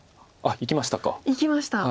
いきました。